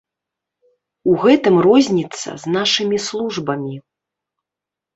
У гэтым розніца з нашымі службамі.